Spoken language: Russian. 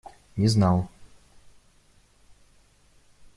Не знал.